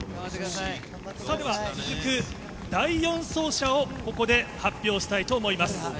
さあ、第４走者をここで発表したいと思います。